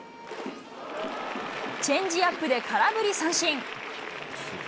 チェンジアップで空振り三振。